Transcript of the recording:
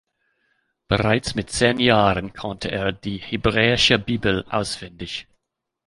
Bereits mit zehn Jahren konnte er die hebräische Bibel auswendig.